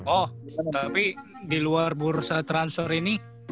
oh tapi di luar bursa transfer ini